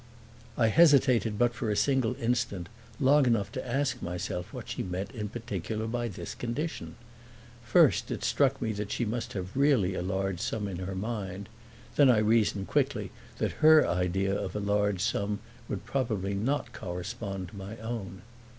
I hesitated but for a single instant, long enough to ask myself what she meant in particular by this condition. First it struck me that she must have really a large sum in her mind; then I reasoned quickly that her idea of a large sum would probably not correspond to my own.